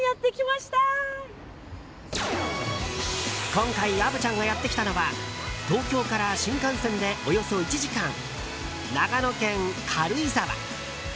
今回虻ちゃんがやってきたのは東京から新幹線で、およそ１時間長野県軽井沢。